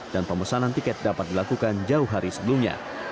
dan pemesanan tiket dapat dilakukan jauh hari sebelumnya